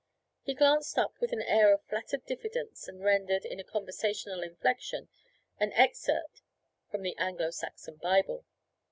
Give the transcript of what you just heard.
He glanced up with an air of flattered diffidence and rendered, in a conversational inflection, an excerpt from the Anglo Saxon Bible.